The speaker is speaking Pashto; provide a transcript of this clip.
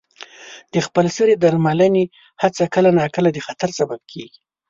د خپل سرې درملنې هڅه کله ناکله د خطر سبب کېږي.